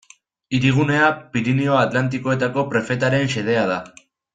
Hirigunea Pirinio Atlantikoetako prefetaren xedea da.